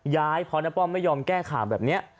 ย้ายเพราะน้าป้อมไม่ยอมแก้ข่าวแบบนี้